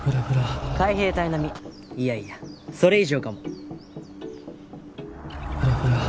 海兵隊並みいやいやそれ以上かも。